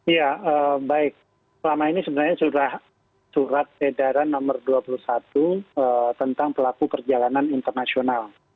ya baik selama ini sebenarnya sudah surat edaran nomor dua puluh satu tentang pelaku perjalanan internasional